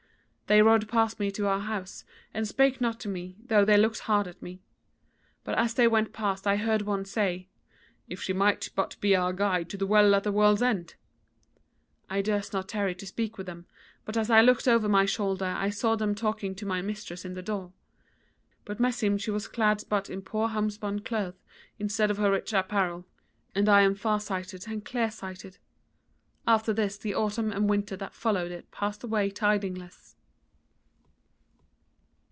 They rode past me to our house, and spake not to me, though they looked hard at me; but as they went past I heard one say: 'If she might but be our guide to the Well at the World's End!' I durst not tarry to speak with them, but as I looked over my shoulder I saw them talking to my mistress in the door; but meseemed she was clad but in poor homespun cloth instead of her rich apparel, and I am far sighted and clear sighted. After this the autumn and winter that followed it passed away tidingless."